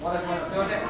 すいません。